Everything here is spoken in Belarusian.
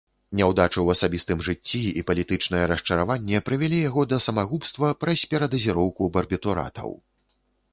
Няўдачы ў асабістым жыцці і палітычнае расчараванне прывялі яго да самагубства праз перадазіроўку барбітуратаў.